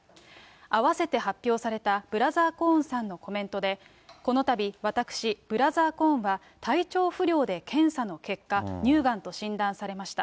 合わせて発表されたブラザー・コーンさんのコメントで、このたび私、ブラザー・コーンは、体調不良で検査の結果、乳がんと診断されました。